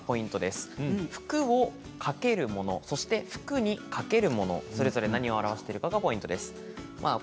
洋服を、「かける」もの洋服に、「かける」ものそれぞれ何が表しているかがポイントでした。